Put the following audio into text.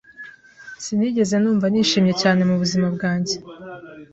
Sinigeze numva nishimye cyane mubuzima bwanjye.